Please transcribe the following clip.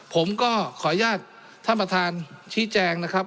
ผมก็ขออนุญาตท่านประธานชี้แจงนะครับ